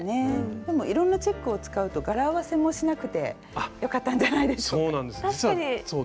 でもいろんなチェックを使うと柄合わせもしなくてよかったんじゃないでしょうか。